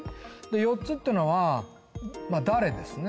４つってのは「誰」ですね